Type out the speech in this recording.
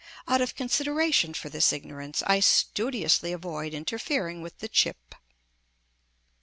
Out of consideration for this ignorance, I studiously avoid interfering with the chip.